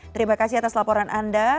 terima kasih atas laporan anda